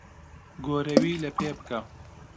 گۆرەوی لەپێ بکە.